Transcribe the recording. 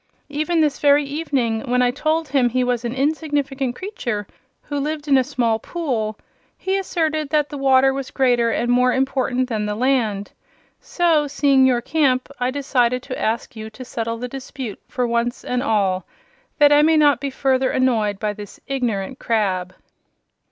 Even this very evening, when I told him he was an insignificant creature who lived in a small pool, he asserted that the water was greater and more important than the land. So, seeing your camp, I decided to ask you to settle the dispute for once and all, that I may not be further annoyed by this ignorant crab."